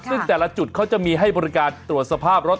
ซึ่งแต่ละจุดเขาจะมีให้บริการตรวจสภาพรถ